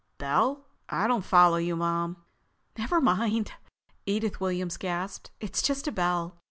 "Bell? I don't follow you, Mom." "Never mind," Edith Williams gasped. "It's just a bell.